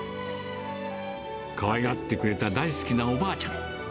かわいがってくれた大好きなおばあちゃん。